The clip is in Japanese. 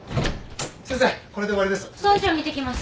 先生これで終わりです。